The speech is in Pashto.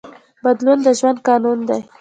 بدلون د ژوند قانون دی.